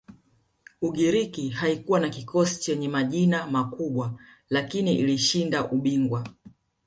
ugiriki haikuwa na kikosi chenye majina makubwa lakini ilishinda ubingwa